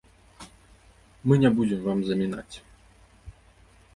Мы не будзем вам замінаць.